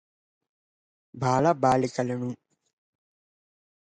బాల బాలికలను